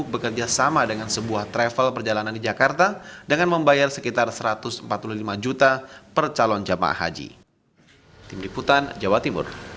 bekerja sama dengan sebuah travel perjalanan di jakarta dengan membayar sekitar rp satu ratus empat puluh lima juta per calon jamaah haji